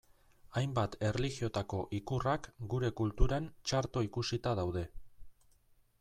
Hainbat erlijiotako ikurrak gure kulturan txarto ikusita daude.